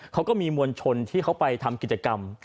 เขาก็มีมวลชนที่เขาไปทำกิจกรรม